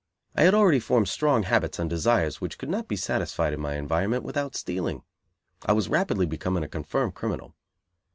I had already formed strong habits and desires which could not be satisfied in my environment without stealing. I was rapidly becoming a confirmed criminal.